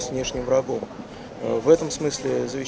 và thăm khoảng